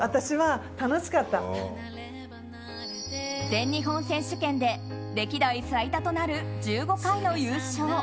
全日本選手権で歴代最多となる１５回の優勝。